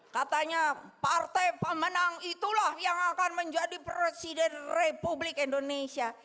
katanya partai pemenang itulah yang akan menjadi presiden republik indonesia